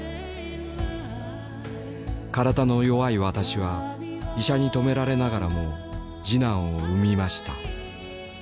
「体の弱い私は医者に止められながらも次男を産みました。